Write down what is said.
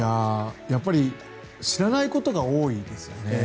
やっぱり知らないことが多いですよね。